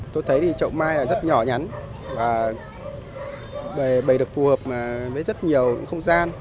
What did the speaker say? tôi thấy chậu mai rất nhỏ nhắn và bày được phù hợp với rất nhiều không gian